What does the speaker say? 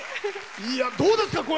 どうですか？